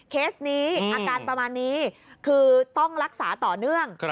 เคสนี้อาการประมาณนี้คือต้องรักษาต่อเนื่อง